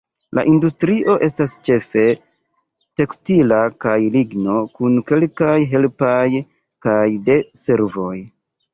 La industrio estas ĉefe tekstila kaj ligno, kun kelkaj helpaj kaj de servoj.